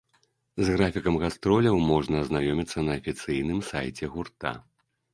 З графікам гастроляў можна азнаёміцца на афіцыйным сайце гурта.